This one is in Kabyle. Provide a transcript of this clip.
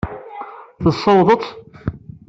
Tessewweḍ-t?